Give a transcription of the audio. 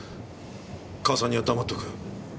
母さんには黙っとく。